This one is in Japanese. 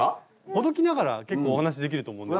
ほどきながら結構お話しできると思うので。